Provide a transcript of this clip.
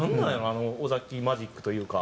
あの尾崎マジックというか。